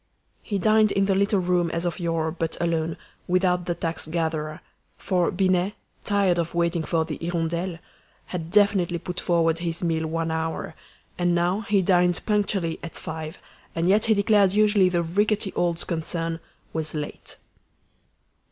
He dined in the little room as of yore, but alone, without the tax gatherer; for Binet, tired of waiting for the "Hirondelle," had definitely put forward his meal one hour, and now he dined punctually at five, and yet he declared usually the rickety old concern "was late."